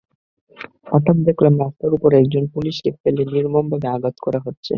হঠাৎ দেখলাম রাস্তার ওপর একজন পুলিশকে ফেলে নির্মমভাবে আঘাত করা হচ্ছে।